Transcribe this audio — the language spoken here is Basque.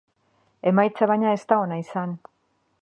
Emaitza, baina, ez da ona izan.